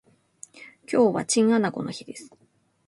今日はチンアナゴの日です